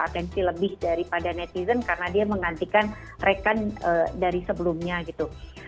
atensi lebih daripada netizen karena dia menggantikan rekan dari sebelumnya gitu